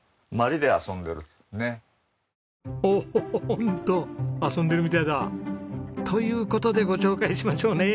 ホント遊んでるみたいだ。という事でご紹介しましょうね。